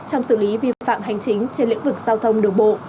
trong xử lý vi phạm hành chính trên lĩnh vực giao thông đường bộ